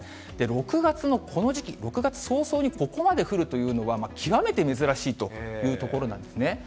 ６月のこの時期、６月早々にここまで降るというのは、極めて珍しいというところなんですね。